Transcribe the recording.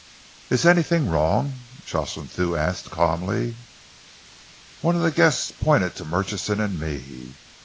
"'Is anything wrong?' Jocelyn Thew asked calmly. "One of the guests pointed to Murchison and me.